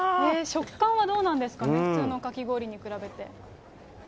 食感はどうなんですかね、普通のかき氷に比べて。